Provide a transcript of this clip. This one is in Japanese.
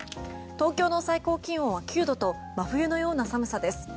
東京の最高気温は９度と真冬のような寒さです。